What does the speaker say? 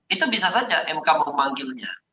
itu bisa saja mk memanggilnya